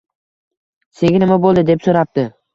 – Senga nima bo‘ldi? – deb so‘rabdi